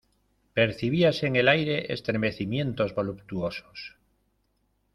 percibíase en el aire estremecimientos voluptuosos.